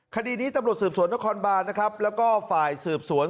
คดีนี้ตำรวจสืบสวนนครบานนะครับแล้วก็ฝ่ายสืบสวน